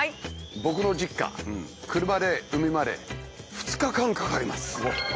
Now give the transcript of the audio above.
僕の実家車で海まで２日間かかります。